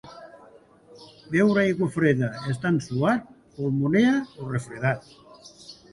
Beure aigua freda estant suat, pulmonia o refredat.